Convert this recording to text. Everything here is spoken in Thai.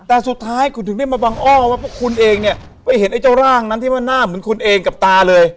แต่สุดท้ายคุณถึงได้มาบังอ้อว่าพวกคุณเองเนี่ยไปเห็นไอ้เจ้าร่างนั้นที่ว่าหน้าเหมือนคุณเองกับตาเลย